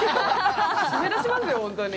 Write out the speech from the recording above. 締め出しますよ、本当に。